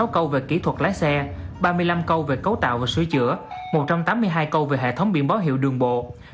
sáu câu về kỹ thuật lái xe ba mươi năm câu về cấu tạo và sửa chữa một trăm tám mươi hai câu về hệ thống biển báo hiệu đường bộ